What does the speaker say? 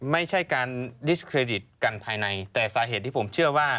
ไม่ใช่การดิสเครดิตกันภายในแต่สาเหตุที่ผมเชื่อว่า